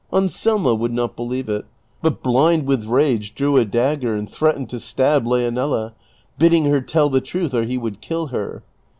'" Anselmo would not believe it, but blind with rage drew a dagger and threatened to stab Leonela, l)idding her tell the trnth or he would kill her.